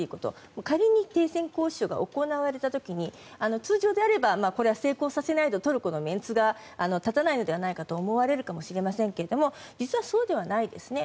仮に停戦交渉が行われた時に通常であればこれは成功させないとトルコのめんつが立たないのではないかと思われるかもしれませんけれども実はそうではないですね。